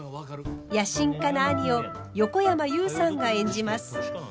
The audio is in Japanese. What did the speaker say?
野心家な兄を横山裕さんが演じます。